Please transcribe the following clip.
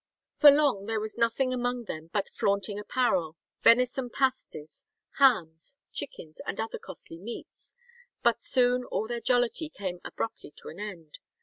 "[137:1] "For long there was nothing among them but flaunting apparel, venison pasties, hams, chickens, and other costly meats." But soon all their jollity came abruptly to an end.